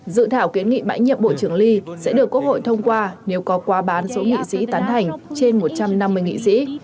dự thảo kiến nghị bãi nhiệm bộ trưởng ly sẽ được quốc hội thông qua nếu có quá bán số nghị sĩ tán thành trên một trăm năm mươi nghị sĩ